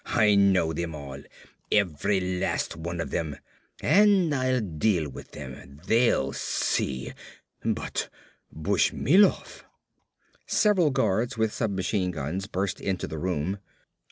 I know them all, every last one of them and I'll deal with them, they'll see! But Bushmilov!" Several guards with submachine guns burst into the room.